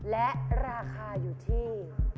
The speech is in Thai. และราคาอยู่ที่